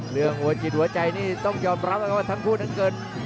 เรื่องกริดหัวใจนี้ต้องยอมรับครับทั้งคู่นั้นเกิน๑๐๐